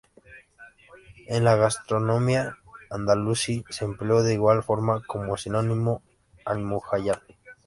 En la gastronomía andalusí se empleó de igual forma como sinónimo "al-mujallal".